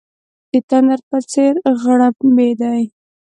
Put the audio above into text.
د تندر په څېر غړمبېدی.